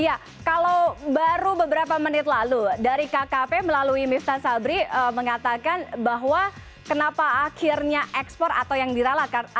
ya kalau baru beberapa menit lalu dari kkp melalui miftah sabri mengatakan bahwa kenapa akhirnya ekspor atau yang dirala